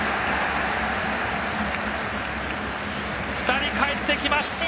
２人かえってきます！